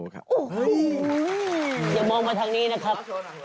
จะมองมาทางนี้นะครับ